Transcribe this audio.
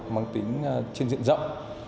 mang tính trên diện rộng